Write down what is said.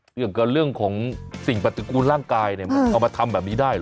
ถึงกับเรื่องของสิ่งปฏิกูลร่างกายมาทำแบบนี้ได้หรือ